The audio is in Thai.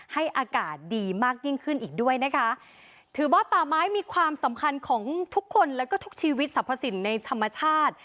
อากาศดีมากยิ่งขึ้นอีกด้วยนะคะถือว่าป่าไม้มีความสำคัญของทุกคนแล้วก็ทุกชีวิตสรรพสินในธรรมชาติ